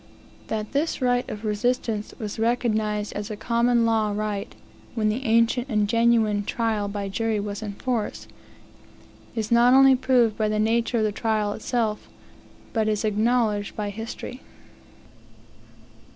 That this right of resistance was recognized as a common law right, when the ancient and genuine trial by jury was in force, is not only proved by the nature of the trial itself, but is acknowledged by history.